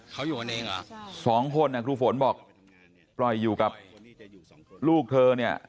เขาอยู่กันเองเหรอสองคนครูฝนบอกปล่อยอยู่กับลูกเธอเนี่ย